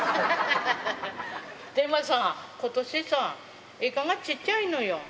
でもさ、ことしさ、イカがちっちゃいのよ。